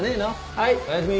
はいおやすみ。